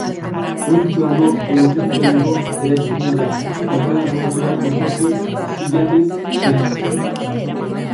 Oinplano laukizuzeneko eraikina da, fatxada nagusia osoki silarriz egina.